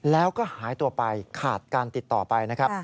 แล้วก็หายตัวไปขาดการติดต่อไป